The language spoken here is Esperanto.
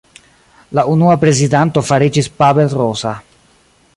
La unua prezidanto fariĝis Pavel Rosa.